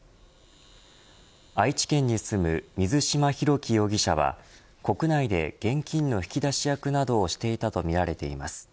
愛知県に住む水島博喜容疑者は国内で現金の引き出し役などをしていたとみられています。